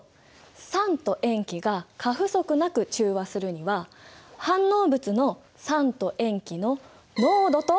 酸と塩基が過不足なく中和するには反応物の酸と塩基の濃度と体積そして価数。